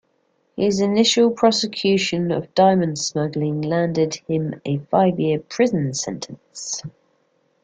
His initial prosecution of diamond smuggling landed him a five-year prison sentence.